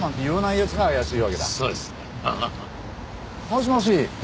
もしもし。